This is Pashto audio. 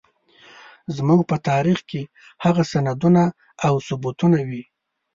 زموږ په تاريخ کې هغه سندونه او ثبوتونه وي.